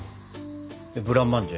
ブランマンジェ？